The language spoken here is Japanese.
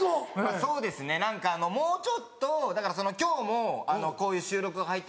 そうですね何かもうちょっとだからその今日もこういう収録が入ったから。